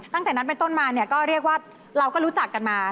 ตั้งแต่นั้นเป็นต้นมาเนี่ยก็เรียกว่าเราก็รู้จักกันมา